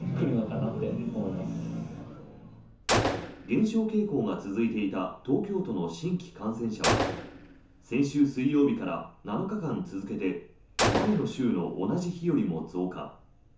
減少傾向が続いていた東京都の新規感染者は先週水曜日から７日間続けて前の週の同じ日よりも増加。